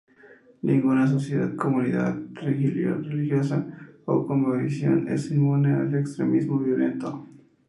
Ninguna sociedad, comunidad religiosa o cosmovisión es inmune al extremismo violento.